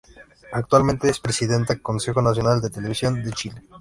Actualmente es presidenta Consejo Nacional de Televisión de Chile.